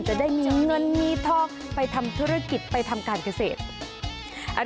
จะได้มีเงินมีทองไปทำธุรกิจไปทำการเกษตร